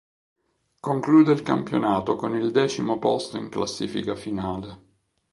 Conclude il campionato con il decimo posto in classifica finale.